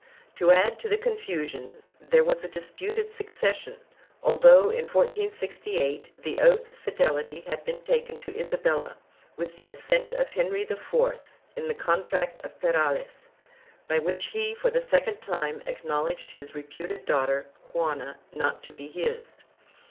To add to the confusion there was a disputed suc cession, although, in 1468, the oath of fidelity had been taken to Isabella, with the assent of Henry IV, in the Contract of Perales, by which he, for the second time, acknowledged his reputed daughter Juana not to be his.